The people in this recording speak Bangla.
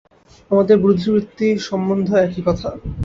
আমাদের বুদ্ধিবৃত্তি সম্বন্ধেও একই কথা।